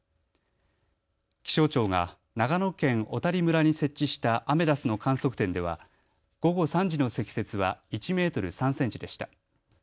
気象庁が長野県小谷村に設置したアメダスの観測点では午後３時の積雪は１メートル３センチでした。